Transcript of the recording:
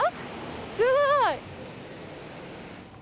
すごい！